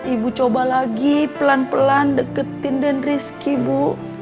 ibu coba lagi pelan pelan deketin dan rizky bu